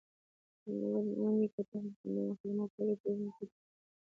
ونې په تخم شیندلو، قلمه کولو او پیوند کولو تکثیر کوي.